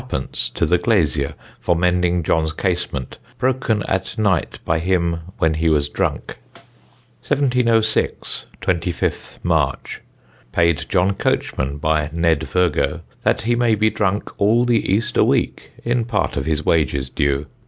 _ to the glasyer for mending John's casement broken at night by him when he was drunk. "1706. 25th March. Pd. John Coachman by Ned Virgo, that he may be drunk all the Easter week, in part of his wages due, _£_1."